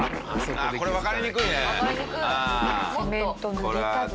これわかりにくいね。